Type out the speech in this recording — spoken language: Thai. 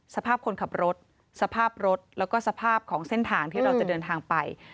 สภาพคนขับรถสภาพรถแล้วก็สภาพของเส้นทางที่เราจะเดินทางไป